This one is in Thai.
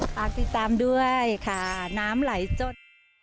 ฝากติดตามด้วยค่ะน้ำไหลจด